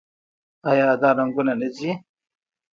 آیا دا رنګونه نه ځي؟